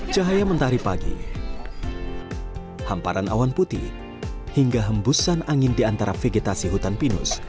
cahaya mentari pagi hamparan awan putih hingga hembusan angin di antara vegetasi hutan pinus